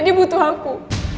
dia butuh aku